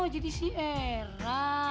jadi si era